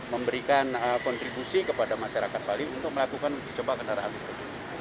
memberikan kontribusi kepada masyarakat bali untuk melakukan uji coba kendaraan listrik